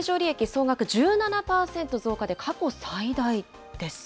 総額１７％増加で過去最大です。